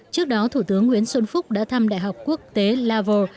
trước đó thủ tướng nguyễn xuân phúc đã thăm đại học quốc tế lavrov